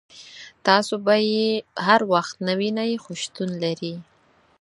تاسو به یې هر وخت نه وینئ خو شتون لري.